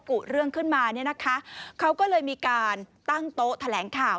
กุเรื่องขึ้นมาเนี่ยนะคะเขาก็เลยมีการตั้งโต๊ะแถลงข่าว